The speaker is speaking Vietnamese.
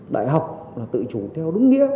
đại học là tự chủ theo đúng nghĩa